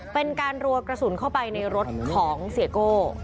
เป็นการรัวกระสุนเข้าไปในรถของเสียโก้